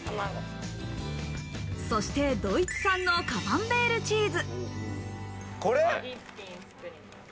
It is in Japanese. そしてドイツ産のカマンベールチーズ。